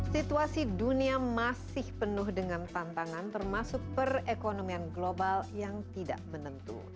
situasi dunia masih penuh dengan tantangan termasuk perekonomian global yang tidak menentu